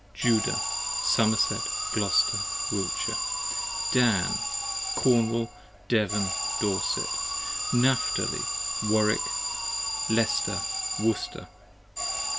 Judah, Somerset, Glouster, Wiltshire. Dan, Cornwall, Devon, Dorset. Napthali, Warwick, Leicester, Worcester.